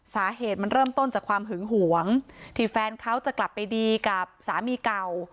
สาเหตุมันเริ่มต้นจากความหึงหวงที่แฟนเขาจะกลับไปดีกับสามีเก่า